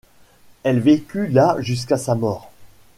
Elle vécut là jusqu'à sa mort.